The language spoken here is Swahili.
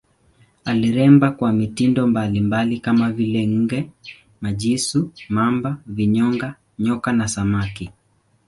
Aliremba kwa mitindo mbalimbali kama vile nge, mijusi, mamba, vinyonga, nyoka na samaki.